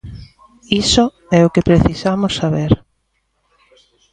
Iso é o que precisamos saber.